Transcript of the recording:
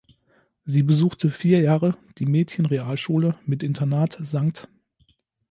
Sie besuchte vier Jahre die Mädchenrealschule mit Internat „St.